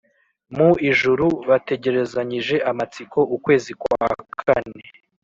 mu ijuru Bategerezanyije amatsiko ukwezi kwa kane